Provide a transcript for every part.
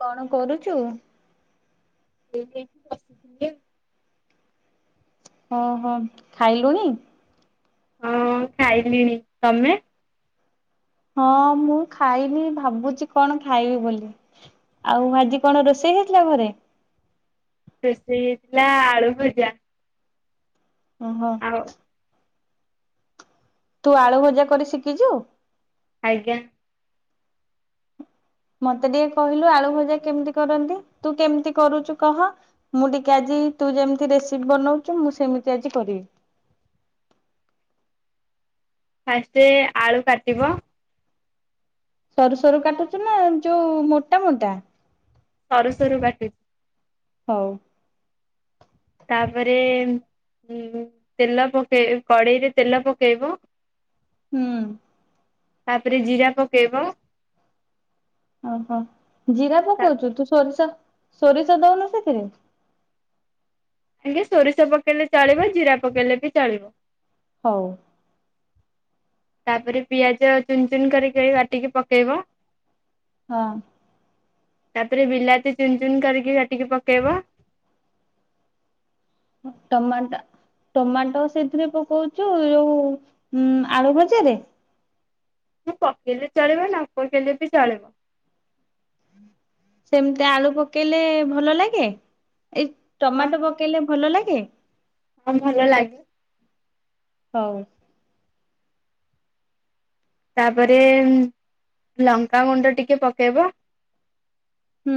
କଣ କରୁଛୁ? [unintelligible] ଓହୋ ଖାଇଲୁଣି? ହଁ ଖାଇଲିଣି ତମେ? ହଁ ମୁଁ ଖାଇନି ଭାବୁଛି କଣ ଖାଇବି ବୋଲି। ଆଉ ଆଜି କଣ ରୋଷେଇ ହେଇଥିଲା ଘରେ? ରୋଷେଇ ହେଇ ଥିଲା ଆଳୁ ଭଜା। ଓହୋ। ହଉ ତୁ ଆଳୁ ଭଜା କରି ଶିଖିଛୁ? ଆଜ୍ଞା। ମତେ ଟିକେ କହିଲୁ ଆଳୁ ଭଜା କେମିତି କରନ୍ତି ତୁ କେମିତି କରୁଛୁ କହ? ମୁଁ ଟିକେ ଆଜି ତୁ ଯେମିତି ରେସିପି ବନଉଛୁ ମୁଁ ସେମିତି ଆଜି କରିବି। ଫାଷ୍ଟେ-ଏ-ଏ ଆଳୁ କାଟିବ ସରୁ ସରୁ କାଟୁଛୁ ନା ଯୋଉ ମୋଟା ମୋଟା? ସରୁ ସରୁ ବାଟି ହଉ। ତାପରେ-ଏ-ଏ-ଏ ଉ-ଉ ତେଲ ପକେଇ କଡ଼େଇରେ ତେଲ ପକେଇବ ହୁଁ। ତାପରେ ଜିରା ପକେଇବ ଓହୋ ଜିରା ପକଉଛୁ ତୁ ସୋରିଷ ସୋରିଷ ଦଉନୁ ସେଥିରେ? ଆଗେ ସୋରିଷ ପକେଇଲେ ଚାଳିବ ଜିରା ପକେଇଲେ ବି ଚାଳିବ। ହଉ। ତାପରେ ପିଆଜ ଚୁନ ଚୁନ କରି କରିକି କାଟିକି ପକେଇବ। ହଁ। ତାପରେ ବିଲାତି ଚୁନ ଚୁନ କରିକି କାଟିକି ପକେଇବ। ହଁ ଟମାଟା ଟମାଟୋ ସେଥିରେ ପକଉଛୁ ଯୋଉ ଉ-ଉ ଆଳୁ ଭଜାରେ? ଉ ପକେଇଲେ ଚଳିବ ନ ପକେଇଲେ ବି ଚଳିବ। ସେମିତି ଆଳୁ ପକେଇଲେ ଭଲ ଲାଗେ, ଏଇ ହଁ ଟମାଟୋ ପକେଇଲେ ଭଲ ଲାଗେ? ହଁ ଭଲ ଲାଗେ। ହଉ। ତାପରେ-ଏ-ଏ ଲଙ୍କାଗୁଣ୍ଡ ଟିକେ ପକେଇବ। ହୁଁ।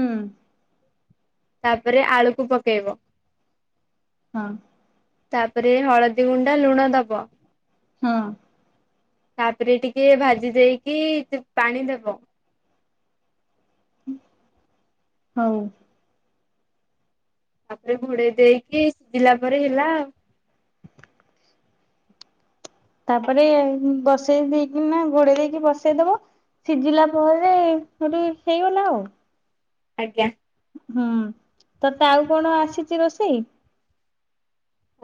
ତାପରେ ଆଳୁକୁ ପକେଇବ। ହଁ। ତାପରେ ହଳଦୀ ଗୁଣ୍ଡ, ଲୁଣ ଦବ। ହଁ। ତାପରେ ଟିକେ ଭାଜି ଦେଇକି ପାଣି ଦବ। ହଉ। ତାପରେ ଘୋଡେଇ ଦେଇକି ସିଝିଲା ପରେ ହେଲା ଆଉ। ତାପରେ ବସେଇ ଦେଇକିନା ଘୋଡେଇ ଦେଇକି ବସେଇଦବ। ସିଝିଲା ପରେ ସେଠୁ ହେଇଗଲା ଆଉ। ଆଜ୍ଞା। ହୁଁ ତତେ ଆଉ କଣ ଆସିଛି ରୋଷେଇ?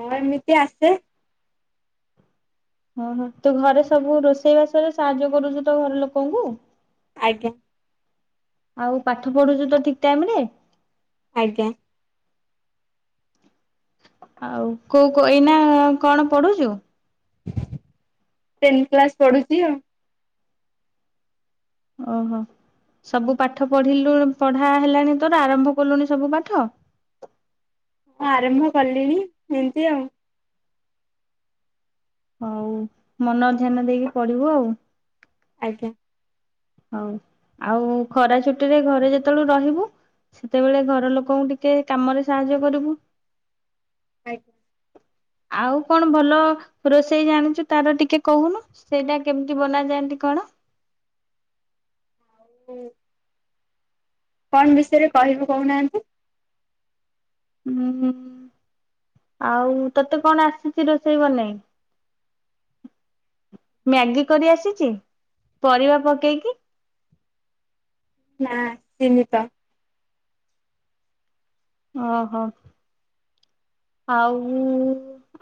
ହଁ ଏମିତି ଆସେ। ଓହୋ ତୁ ଘରେ ସବୁ ରୋଷେଇବାସରେ ସାହାଯ୍ୟ କରୁଛୁ ତ ଘର ଲୋକଙ୍କୁ। ଆଜ୍ଞା। ଆଉ ପାଠ ପଢୁଛୁ ତ ଠିକ ଟାଇମରେ? ଆଜ୍ଞା। ଆଉ କୋଉ କ ଏଇନା କଣ ପଢୁଛୁ? ଟେନ୍ କ୍ଲାସ ପଢୁଛି ଆଉ। ଓହୋ ସବୁ ପାଠ ପଢିଲୁଣୁ ପଢା ହେଲାଣି ତୋର ଆରମ୍ଭ କଲୁଣି ସବୁ ପାଠ। ହଁ ଆରମ୍ଭ କଲିଣି ଏମିତି ଆଉ। ହଉ ମନ ଧ୍ୟାନ ଦେଇକି ପଢିବୁ ଆଉ। ଆଜ୍ଞା। ହଉ ଆଉ ଖରା ଛୁଟି ରେ ଘରେ ଯେତେବେଳୁ ରହିବୁ ସେତେବେଳେ ଘର ଲୋକଙ୍କୁ ଟିକେ କାମରେ ସାହାଯ୍ୟ କରିବୁ। ଆଜ୍ଞା। ଆଉ କଣ ଭଲ ରୋଷେଇ ଜାଣିଛୁ ତାର ଟିକେ କହୁନୁ? ସେଇଟା କେମିତି ବନାଯାଆନ୍ତି କଣ? ହୁଁ। କଣ ବିଷୟରେ କହିବୁ କହୁନାହାନ୍ତି? ହୁଁ ହୁଁ। ଆଉ ତତେ କଣ ଆସିଛି ରୋଷେଇ ବନେଇ? ମ୍ୟାଗି କରି ଆସିଛି ପରିବା ପକେଇକି। ନା ଆସିନିତ। ଓହୋ ଆଉ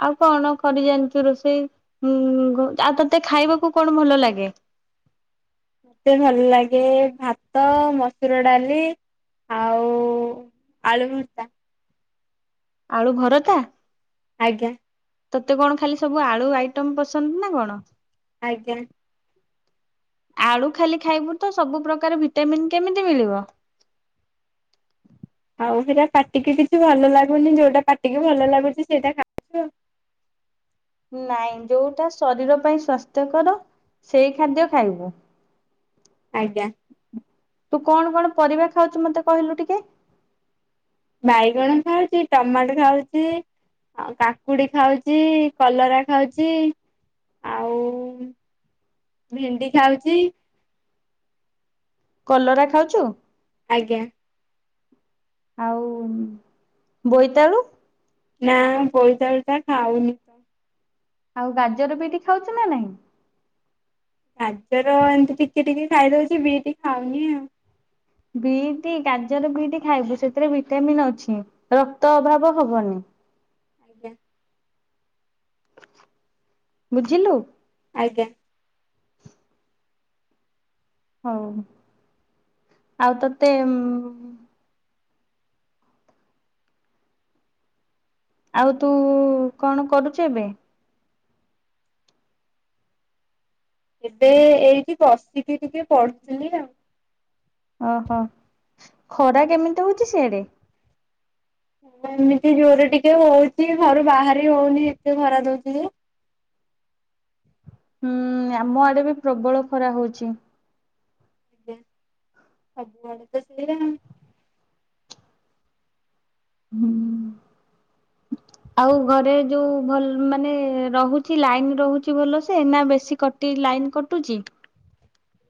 ଆଉ କଣ କରି ଜାଣିଛୁ ରୋଷେଇଁ ଉଁ ଆଉ ତତେ ଖାଇବାକୁ କଣ ଭଲ ଲାଗେ? ମତେ ଭଲ ଲାଗେ ଭାତ ମସୁର ଡାଲି ଆଉ ଆଳୁ ଭର୍ତ୍ତା। ଆଳୁ ଭରତା। ଆଜ୍ଞା। ତତେ କଣ ଖାଲି ସବୁ ଆଳୁ ଆଇଟମ ପସନ୍ଦ ନା କଣ। ଆଜ୍ଞା। ଆଳୁ ଖାଲି ଖାଇବୁ ତ ସବୁ ପ୍ରକାର ଭିଟାମିନ୍ କେମିତି ମିଳିବ। ଆଉ ସେଇଟା ପାଟିକି କିଛି ଭଲ ଲାଗୁନି ଯୋଉଟା ପାଟିିକି ଭଲ ଲାଗୁଛି ସେଇଟା ଖ ନାଇଁ ଯୋଉଟା ଶରୀର ପାଇଁ ସ୍ଵାସ୍ଥ୍ୟକର ସେଇ ଖାଦ୍ୟ ଖାଇବୁ। ଆଜ୍ଞା। ତୁ କଣ କଣ ପରିବା ଖାଉଛୁ ମତେ କହିଲୁ ଟିକେ? ବାଇଗଣ ଖାଉଛି ଟମାଟୋ ଖାଉଛି ଆ କାକୁଡି ଖାଉଛି। କଲରା ଖାଉଛି ଆଉ ଭେଣ୍ଡି ଖାଉଛି। କଲରା ଖାଉଛୁ? ଆଜ୍ଞା। ଆଉଁ ବୋଇତାଳୁ ନାଁ ବୋଇତାଳୁ ଟା ଖାଉନି ତ ଆଉଁ ଗାଜର ବିଟି ଖାଉଛ ନାଁ ନାହିଁ? ଗାଜର ଏମିତି ଟିକେ ଟିକେ ଖାଇଦଉଛି। ବିଟି ଖାଉନି ଆଉ ବିଟି ଗାଜର ବିଟି ଖାଇବୁ ସେଥିରେ ଭିଟାମିିନ ଅଛି ରକ୍ତ ଅଭାବ ହବନି ଆଜ୍ଞା। ବୁଝିଲୁ? ଆଜ୍ଞା। ହଉ। ଆଉ ତୋତେ ଉଁମଁ ଆଉ ତୁ କଣ କରୁଛୁ ଏବେ? ଏବେ ଏଇଠି ବସିିକି ଟିକେ ପଢୁଥିଲି ଆଉଁ ଓ ହୋ ଖରା କେମିତି ହଉଛି ସିଆଡେ? ଖରା ଏମିତି ଜୋରରେ ଟିକେ ହଉଛି ଘରୁ ବାହାରି ହଉନି ଏତେ ଖରା ଦଉଛି ଯେ ହୁଁ। ଆମ ଆଡେ ବି ପ୍ରବଳ ଖରା ହଉଛି। ଆଜ୍ଞା। ସବୁ ଆଡେ ତ ସେଇୟା ହୁଁ। ଆଉ ଘରେ ଯୋଉଁ ଭଲ ମାନେ ରହୁଛି ଲାଇନ ରହୁଛି ଭଲସେ ନାଁ ବେଶୀ କ ସେଠି ଲାଇନ୍ କଟୁଛି।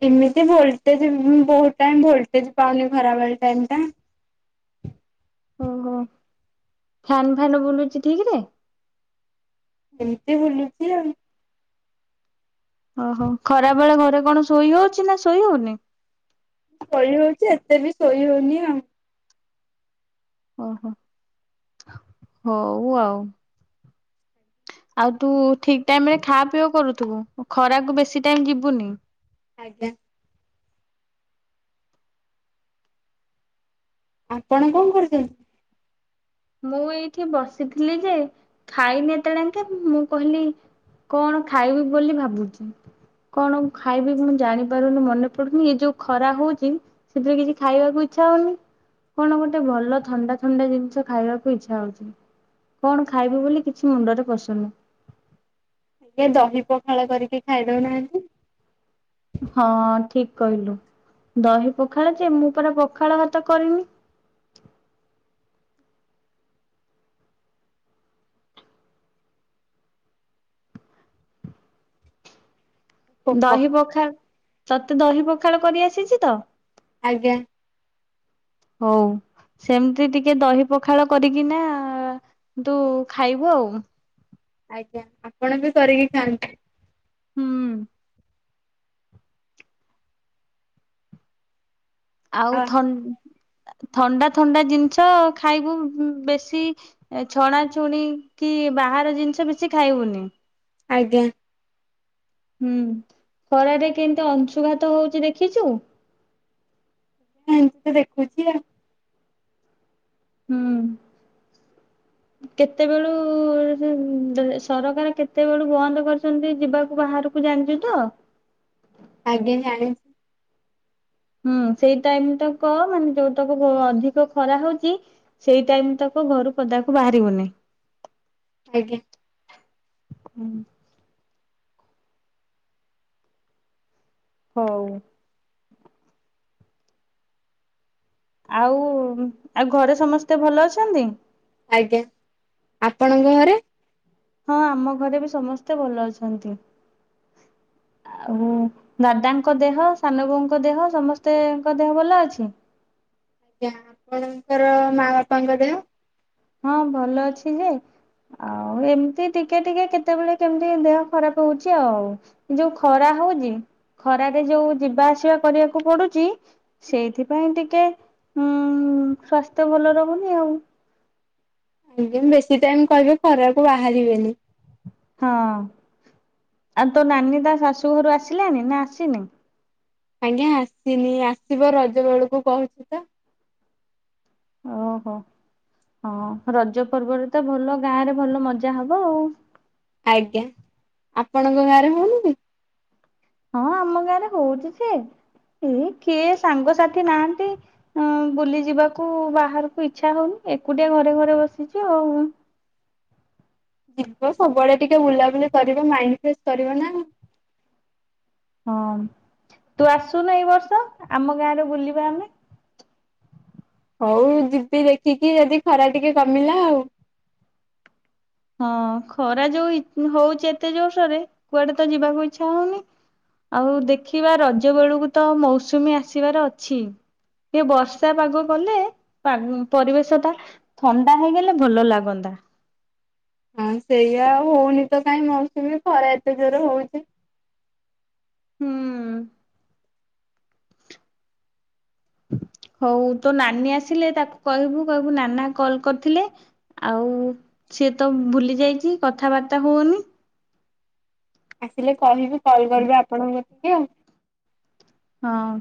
ଏମିତି ଭୋଲଟେଜ ଉଁମଁ ବହୁତ ଟାଇ ଭୋଲଟେଜ ପାଉନି ଖରା ବେଳ ଟାଇମ୍ ଟା। ଓ ହୋ ଫ୍ୟାନ ଫ୍ୟାନ ବୁଲୁଛି ଠିଁକୀରେ। ଏମିତି ବୁଲୁଛି ଆଉଁ ଓ ହୋ। ଖରା ବେଳେ ଘରେ କଣ ଶୋଇ ହଉଛି ନାଁ ଶୋଇ ହଉନି ଶୋଇ ହଉଛି। ଏତେ ବି ଶୋଇ ହଉନି ଆଉ ଓ ହୋ। ହଉ ଆଉଁ। ଆଉ ତୁ ଠିଁକ ଟାଇମ ରେ ଖାଁ ପିୟ କରୁଥୁବୁ ଖରାକୁ ବେଶୀ ଟାଇମ ଯିବୁନି। ଆଜ୍ଞା। ଆପଣ କଣ କରୁଛନ୍ତି? ମୁଁ ଏଇଠି ବସିଥିଲି ଯେ ଖାଇନି ଏତେ ବେଳେ ଯାଙ୍କେ ମୁଁ କହିଲି କଣ ଖାଇବି ବୋଲି ଭାବୁଛି। କଣ ମୁଁ ଖାଇବି କଣ ମୁଁ ଜାଣିପାରୁନି ମନେ ପଡୁନି ଏ ଯୋଉଁ ଖରା ହଉଛି ସେଥିରେ କିଛି ଖାଇବାକୁ ଇଚ୍ଛା ହଉନି। କଣ ଗୋଟେ ଭଲ ଥଣ୍ଡା ଥଣ୍ଡା ଜିନିଷ ଖାଇବାକୁ ଇଚ୍ଛା ହଉଛି। କଣ ଖାଇବି ବୋଲି କିଛି ମୁଣ୍ଡରେ ପଶୁନି? ଏଁ ଦହି ପଖାଳ କରିକି ଖାଇଦଉନାହାନ୍ତି। ହଁ ଠିକ କହିଲୁ। ଦହି ପଖାଳ ଯେ ମୁଁ ପରା ପଖାଳ ଭାତ କରିନି। ଦହି ପଖାଳ। ତତେ ଦହି ପଖାଳ କରି ଆସିଛି ତ? ଆଜ୍ଞା। ହଉ। ସେମିତି ଟିକେ ଦହି ପଖାଳ କରିକିନା ତୁ ଖାଇବୁ ଆଉ। ଆଜ୍ଞା। ଆପଣ ବି କରିକି ଖାଆନ୍ତି? ହୁଁ। ଆଉ ହଁ ଥନ ଥଣ୍ଡା ଥଣ୍ଡା ଜିନିଷ ଖାଇବୁ ବେଶୀ ଏଁ ଛଣାଛଣି କି ବାହାର ଜିନିଷ କିଛି ବେଶୀ ଖାଇବୁନି। ଆଜ୍ଞା। ହୁଁ। ଖରାରେ କେମିତି ଅଂଶୁଘାତ ହଉଛି ଦେଖିଛୁ? ହୁଁ, ଦେଖୁଛି ଆଉ। ହୁଁ। କେତେବେଳୁ ସରକାର କେତେବେଳୁ ବନ୍ଦ କରିଛନ୍ତି ଯିବାକୁ ବାହାରକୁ। ଜାଣିଛୁ ତ। ଆଜ୍ଞା ଜାଣିଛି। ହୁଁ, ସେଇ ଟାଇମ ତାକ କହ ମାନେ ଯୋଉଟକ ଅଧିକ ଖରା ହଉଛି। ସେଇ ଟାଇମ ତକ ଘରୁ ପଦାକୁ ବାହାରିବୁନି। ଆଜ୍ଞା। ହୁଁ। ହଉ। ଆଉ ଆଉ ଘରେ ସମସ୍ତେ ଭଲ ଅଛନ୍ତି। ଆଜ୍ଞା, ଆପଣଙ୍କ ଘରେ? ହଁ, ଆମ ଘରେ ବି ସମସ୍ତେ ଭଲ ଅଛନ୍ତି। ଆଉ ଦାଦାଙ୍କ ଦେହ, ସାନ ବୋଉଙ୍କ ଦେହ ସମସ୍ତେଙ୍କ ଦେହ ଭଲ ଅଛି। ଆପଣଙ୍କର ମା ବାପାଙ୍କ ଦେହ? ହଁ, ଭଲ ଅଛି ଯେ ଆଉ ଏମିତି ଟିକେ ଟିକେ କେତେବେଳେ କେମିତି ଦେହ ଖରାପ ହଉଛି ଆଉ। ଯୋଉ ଖରା ହଉଛି। ଖରାରେ ଯୋଉ ଯିବା ଆସିବା କରିବାକୁ ପଡୁଛି। ସେଇଥିପାଇଁ ଟିକେ ଉଁ ସାସ୍ଥ୍ୟ ଭଲ ରହୁନି ଆଉ। ଆଜ୍ଞା, ମୁଁ ବେଶୀ ଟାଇମ କହିବେ ଖରାକୁ ବାହାରିବେନି। ହଁ, ଆଉ ତୋ ନାନୀ ତା ଶାଶୁ ଘରୁ ଆସିଲାଣି ନା ଆସିନି। ଆଜ୍ଞା, ଆସିନି ଆସିବ ରଜ ବେଳକୁ କହୁଛି ତ। ଓହୋ! ହଁ, ରଜ ପର୍ବରେ ତ ଭଲ ଗାଁ ରେ ଭଲ ମଜା ହବ ଆଉ। ଆଜ୍ଞା, ଆପଣଙ୍କ ଗାଁରେ ହଉନି କି? ହଁ, ଆମ ଗାଁ ରେ ହଉଛି ଯେ। ସେ କିଏ ସାଙ୍ଗସାଥି ନାହାନ୍ତି। ବୁଲି ଯିବାକୁ ବାହାରକୁ ଇଛା ହଉନି ଏକୁଟିଆ ଘରେ ଘରେ ବସିଛି ଆଉ। ଯିବ ସବୁଆଡେ ଟିକେ ବୁଲାବୁଲି କରିବ ମାଇଣ୍ଡ ଫ୍ରେଶ କରିବ ନା ଆଉ? ହଁ, ତୁ ଆସୁନୁ ଏଇ ବର୍ଷ ଆମ ଗାଁରେ ବୁଲିବା ଆମେ। ହଉ ଯିବି ଦେଖିକି ଯଦି ଖରା ଟିକେ କମିଲା ଆଉ। ହଁ, ଖରା ଯୋଉ ହଉଛି ଏତେ ଜୋର୍ ସିଆଡେ କୁଆଡେ ତ ଯିବାକୁ ଇଚ୍ଛା ହଉନି। ଆଉ ଦେଖିବା ରଜ ବେଳକୁ ତ ମୌସୁମୀ ଆସିବାର ଅଛି। କି ବର୍ଷା ପାଗ କଲେ ପରିବେଶ ଟା ଥଣ୍ଡା ହେଇଗଲେ ଭଲ ଲାଗନ୍ତା। ହଁ, ସେଇଆ ଆଉ ହଉନି ତ କାଇହିଁ ମୌସୁମୀ ଖରା ଏତେ ଜୋର ହଉଛି। ହୁଁ। ହଉ ତୋ ନାନୀ ଆସିଲେ ତାକୁ କହିବୁ କହିବୁ ନାନା କଲ କରିଥିଲେ। ଆଉ ସିଏ ତ ଭୁଲି ଯାଇଛି କଥାବାର୍ତ୍ତା ହଉନି। ଆସିଲେ କହିବି, କଲ କରିବି ଆପଣଙ୍କ କତିକି ଆଉ। ହଁ।